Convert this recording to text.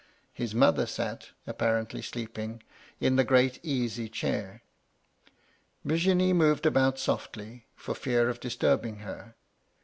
His mother sat— apparently sleeping — ^in the great easy chair; Virginie moved about softly, for fear of disturbing her.